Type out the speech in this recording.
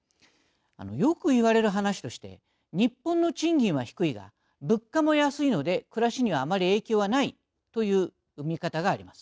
よく言われる話として日本の賃金は低いが物価も安いので暮らしにはあまり影響はないという見方があります。